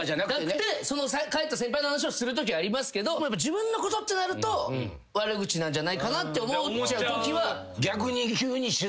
帰った先輩の話をするときありますけど自分のことってなると悪口なんじゃないかなって思っちゃうときは。